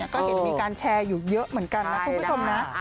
ก็เห็นมีการแชร์อยู่เยอะเหมือนกันนะคุณผู้ชมนะ